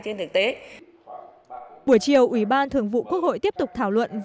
trên thực tế buổi chiều ủy ban thường vụ quốc hội tiếp tục thảo luận